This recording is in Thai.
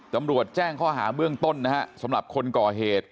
ตำรวจแจ้งข้อหาเบื้องต้นนะฮะสำหรับคนก่อเหตุ